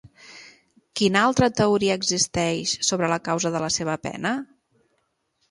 Quina altra teoria existeix sobre la causa de la seva pena?